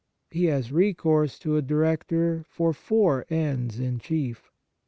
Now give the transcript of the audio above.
He has recourse to a director for four ends in chief.